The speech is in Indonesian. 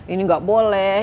ini gak boleh